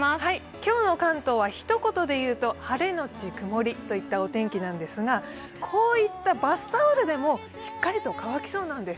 今日の関東はひと言で言うと晴れのち曇りというお天気なんですが、こういったバスタオルでもしっかりと乾きそうなんてす。